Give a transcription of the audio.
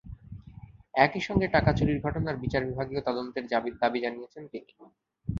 একই সঙ্গে টাকা চুরির ঘটনার বিচার বিভাগীয় তদন্তের দাবি জানিয়েছেন তিনি।